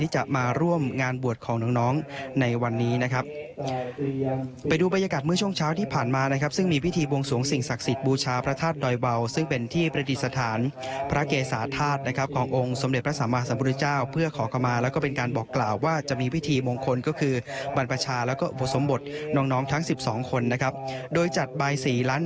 ช่วงเช้าที่ผ่านมานะครับซึ่งมีพิธีบวงสวงสิ่งศักดิ์สิทธิ์บูชาพระธาตุดอยวาวซึ่งเป็นที่ประดิษฐานพระเกษาธาตุนะครับขององค์สมเด็จพระสามหาสมพุทธเจ้าเพื่อขอกรรมาแล้วก็เป็นการบอกกล่าวว่าจะมีพิธีมงคลก็คือวันประชาแล้วก็ผสมบทน้องน้องทั้งสิบสองคนนะครับโดยจัดใบสีล